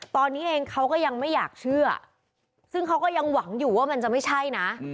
ตอนนี้เองเขาก็ยังไม่อยากเชื่อซึ่งเขาก็ยังหวังอยู่ว่ามันจะไม่ใช่นะ